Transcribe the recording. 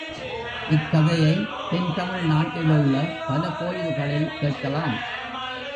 இக்கதையைத் தென் தமிழ் நாட்டில் உள்ள பல கோயில்களில் கேட்கலாம்.